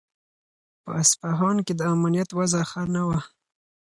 په اصفهان کې د امنیت وضع ښه نه وه.